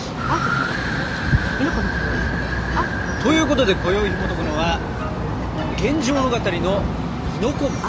えっと。ということでこよいひもとくのは「源氏物語」の亥の子！